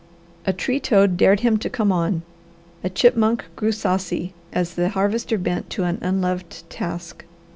A tree toad dared him to come on; a chipmunk grew saucy as the Harvester bent to an unloved task.